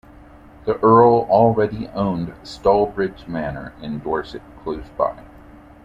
The Earl already owned Stalbridge Manor in Dorset close by.